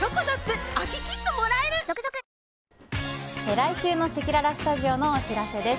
来週のせきららスタジオのお知らせです。